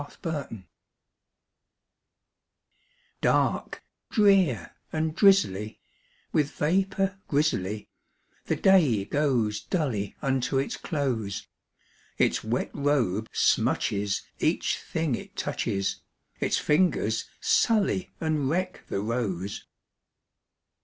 A WET DAY Dark, drear, and drizzly, with vapor grizzly, The day goes dully unto its close; Its wet robe smutches each thing it touches, Its fingers sully and wreck the rose.